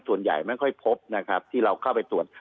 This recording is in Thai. ส่วนใหญ่ไม่ค่อยพบนะครับที่เราเข้าไปตรวจ